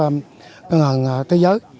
ngân hàng thế giới